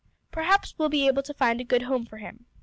"Perhaps we'll be able to find a good home for him.